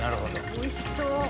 おいしそう。